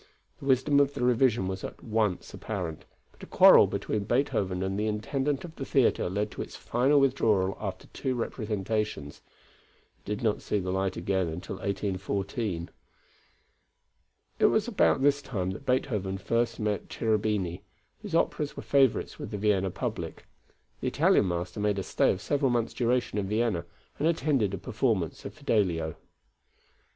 The wisdom of the revision was at once apparent, but a quarrel between Beethoven and the intendant of the theatre led to its final withdrawal after two representations. It did not see the light again until 1814. It was about this time that Beethoven first met Cherubini, whose operas were favorites with the Vienna public. The Italian master made a stay of several months' duration in Vienna, and attended a performance of Fidelio.